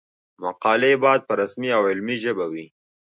مقالې باید په رسمي او علمي ژبه وي.